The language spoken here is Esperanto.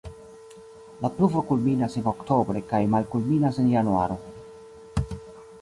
La pluvo kulminas en oktobre kaj malkulminas en januaro.